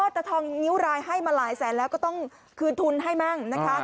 แต่ทองนิ้วรายให้มาหลายแสนแล้วก็ต้องคืนทุนให้มั่งนะคะ